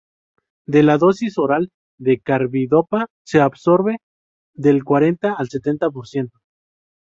De la dosis oral de carbidopa se absorbe del cuarenta al setenta por ciento.